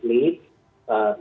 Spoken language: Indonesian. yang berhasil membeli